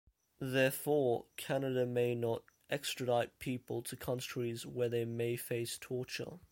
Therefore, Canada may not extradite people to countries where they may face torture.